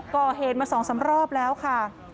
ก่อเหตุมาสองซ้ำรอบแล้วค่ะ